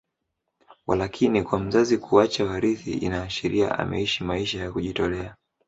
Walakini kwa mzazi kuacha warithi inashiria ameishi maisha ya kujitolea